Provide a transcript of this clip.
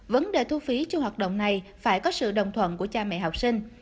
vấn đề thu phí trong hoạt động này phải có sự đồng thuận của cha mẹ học sinh